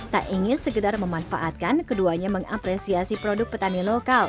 tak ingin segedar memanfaatkan keduanya mengapresiasi produk petani lokal